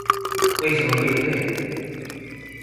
為什麼被退